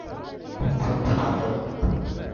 Уның аты.